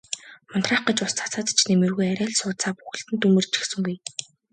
Унтраах гэж ус цацаад ч нэмэргүй арай л сууцаа бүхэлд нь түймэрдчихсэнгүй.